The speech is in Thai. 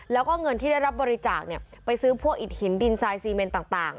แล้วก็เงินที่ได้รับบริจาคไปซื้อพวกอิดหินดินทรายซีเมนต่าง